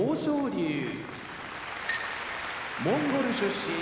龍モンゴル出身